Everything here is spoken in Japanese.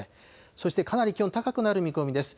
そしてかなり気温が高くなる見込みです。